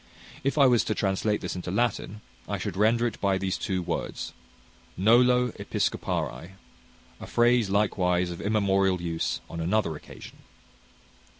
If I was to translate this into Latin, I should render it by these two words, Nolo Episcopari: a phrase likewise of immemorial use on another occasion.